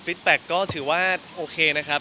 ฟีตแบ็คก็ถือว่าโอเคนะครับ